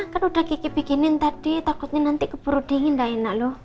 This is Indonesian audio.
kan udah kiki bikinin tadi takutnya nanti keburu dingin kita enak lho